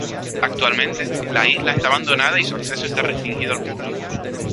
Actualmente la isla está abandonada y su acceso está restringido al público.